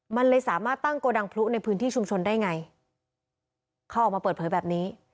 มันเลยสามารถตั้งโกดังพลุในพื้นที่ชุมชนได้ไงเขาออกมาเปิดเผยแบบนี้